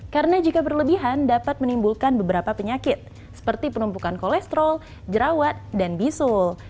karena jika berlebihan dapat menimbulkan beberapa penyakit seperti penumpukan kolesterol jerawat dan bisul